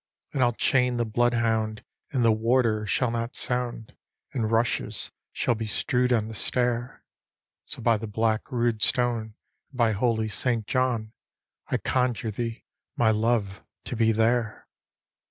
"' And I'll chain the blood hound, and the warder shall not sound, And rushes shall be strew'd on the stair: So by the black rood stone, and by holy St. John, I conjure thee, my love, to be there!